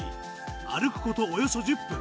歩くことおよそ１０分。